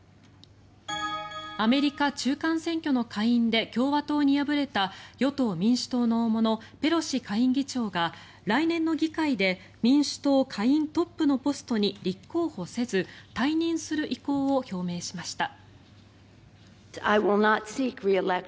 アメリカ中間選挙の下院で共和党に敗れた与党・民主党の大物ペロシ下院議長が来年の議会で民主党下院トップのポストに立候補せず退任する意向を表明しました。